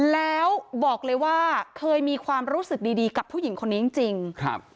แล้วบอกเลยว่าเคยมีความรู้สึกดีดีกับผู้หญิงคนนี้จริงจริงครับ